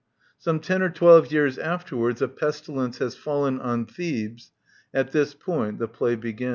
Some ten or twelve years afterwards a pestilence has fallen on Thebes. At this point the play begins.